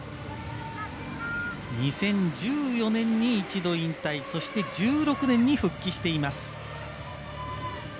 ２０１４年に一度引退そして、１６年に復帰しています。